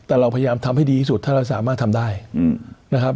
แต่เราพยายามทำให้ดีที่สุดถ้าเราสามารถทำได้นะครับ